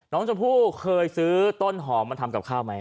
น้องชมพู่เคยซื้อต้นหอมมาทำกับข้าวไหม